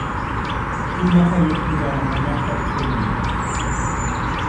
Schuhmacher lebt in seiner Heimatstadt Pfullendorf.